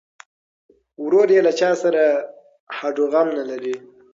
ورور یې له چا سره هډوغم نه لري.